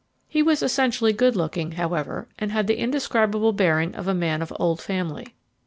He was essentially good looking, however, and had the indescribable bearing of a man of old family.